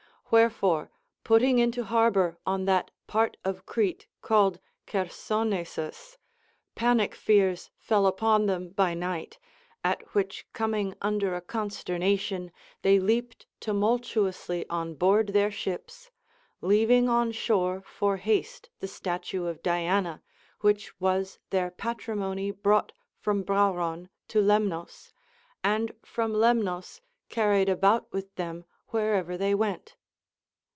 AVherefore, putting into harbor on that part of Crete called Chersonesns, panic fears fell upon them by night, at which coming under a consternation, they leaped tumultuously on board their ships, leaving on shore for haste the statue of Diana, which was their patrimony brought from Brauron to Lemnos, and from Lemnos carried about with them wherever they went.